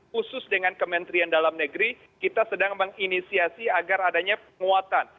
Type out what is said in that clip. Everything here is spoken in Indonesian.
khusus dengan kementerian dalam negeri kita sedang menginisiasi agar adanya penguatan